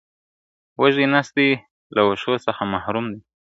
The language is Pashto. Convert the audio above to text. وږی نس دي له وښو څخه محروم دی !.